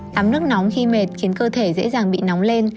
tắm nước nóng khi mệt khiến cơ thể dễ dàng bị nóng lên